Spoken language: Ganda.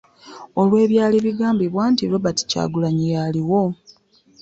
Olw'ebyali bigambibwa nti Robert Kyagulanyi yaliwo